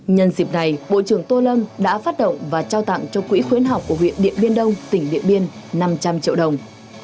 nhân dịp này bộ trưởng tô lâm đã phát động và trao tặng cho quỹ khuyến học của huyện điện biên đông tỉnh điện biên năm trăm linh triệu đồng